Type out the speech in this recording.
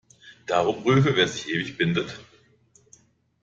Darum prüfe, wer sich ewig bindet.